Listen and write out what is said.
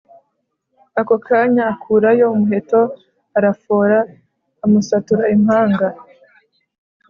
akokanya akurayo umuheto arafora amusatura impanga